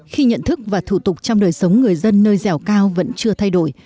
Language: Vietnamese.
khi nhận thức và thủ tục trong đời sống người dân nơi dẻo cao vẫn chưa thay đổi